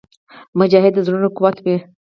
مجاهد د زړونو قوت وي.